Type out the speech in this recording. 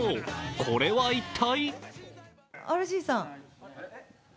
これは一体？